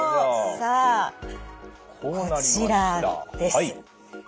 さあこちらです。